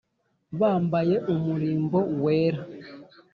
Bambaye umurimbo wera,